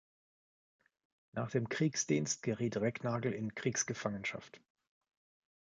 Nach dem Kriegsdienst geriet Recknagel in Kriegsgefangenschaft.